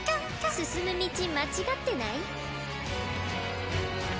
進む道間違ってない？